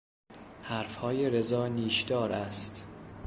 حرفهای رضا نیشدار است.